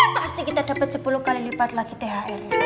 pasti kita dapat sepuluh kali lipat lagi thr